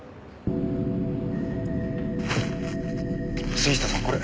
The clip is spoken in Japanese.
杉下さんこれ！